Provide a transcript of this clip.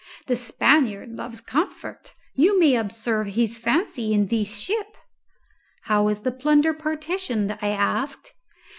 The Spaniard loves comfort you may observe his fancy in this ship." "How is the plunder partitioned?" I asked.